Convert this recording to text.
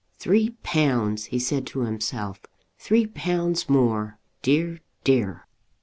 "Three pounds!" he said to himself. "Three pounds more; dear, dear!"